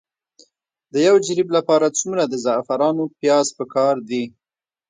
د یو جریب لپاره څومره د زعفرانو پیاز پکار دي؟